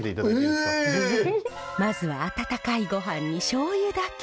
まずは温かいごはんにしょうゆだけ。